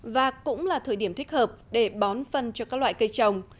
và cũng là thời điểm thích hợp để bón phân cho các loại cây trồng